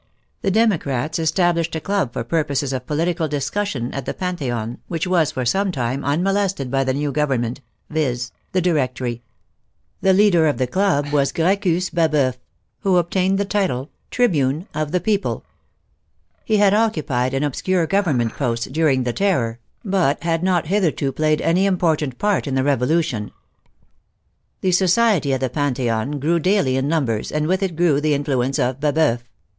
The democrats established a club for pur poses of political discussion at the Pantheon, which was, for some time, unmolested by the new Government, vis.,. the Directory. The leader of the club was Gracchus Baboeuf, who obtained the title of " Tribune of the Peo ple." He had occupied an obscure Government post dur 104 FRANCOIS NOEL BABEUF END OF THE FRENCH REVOLUTION 105 ing the Terror, but had not hitherto played any important part in the Revolution. The society at the Pantheon grew daily in numbers, and with it grew the influence of Baboeuf.